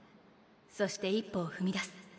そして１歩をふみ出す